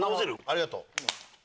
ありがとう。